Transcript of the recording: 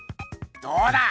どうだ！